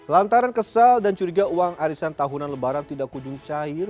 lantaran kesal dan curiga uang arisan tahunan lebaran tidak kunjung cair